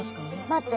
待って。